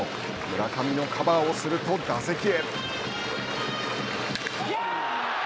村上のカバーをすると打席へ。